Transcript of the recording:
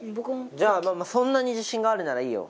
じゃあそんなに自信があるならいいよ